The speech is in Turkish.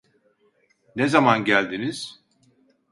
Ne zaman geldiniz?